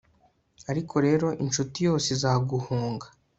ariko rero incuti yose izaguhunga